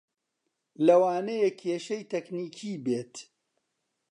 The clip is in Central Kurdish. لەوانەیە کێشەی تەکنیکی بێت